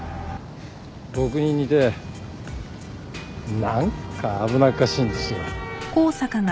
僕に似て何か危なっかしいんですよ。